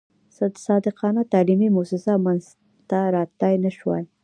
صادقانه تعلیمي موسسه منځته راتلای نه شوای.